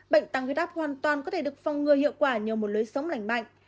bệnh tăng huyết áp hoàn toàn có thể được phòng ngừa hiệu quả nhờ một lưới sống lành mạnh